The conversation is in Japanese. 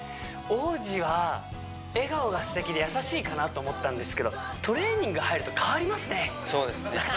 王子は笑顔が素敵で優しいかなと思ったんですけどトレーニング入ると変わりますね